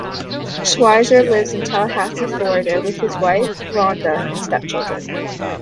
Schweizer lives in Tallahassee, Florida with his wife, Rhonda, and step-children.